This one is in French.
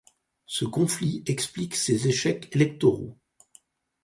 Ce conflit explique ses échecs électoraux.